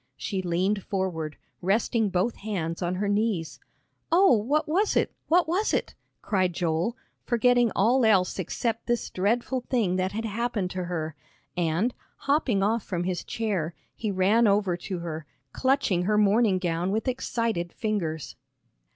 She leaned forward, resting both hands on her knees. "Oh, what was it? What was it?" cried Joel, forgetting all else except this dreadful thing that had happened to her, and, hopping off from his chair, he ran over to her, clutching her morning gown with excited fingers.